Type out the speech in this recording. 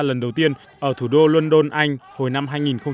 lần đầu tiên ở thủ đô london anh hồi năm hai nghìn một mươi